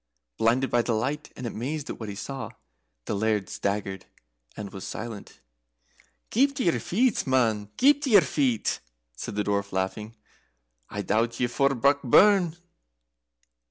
Blinded by the light, and amazed at what he saw, the Laird staggered, and was silent. "Keep to your feet, man keep to your feet!" said the Dwarf, laughing. "I doubt ye're fou, Brockburn!"